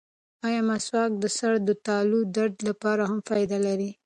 ایا مسواک د سر د تالک د درد لپاره هم فایده لري؟